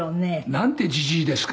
「なんてじじいですか」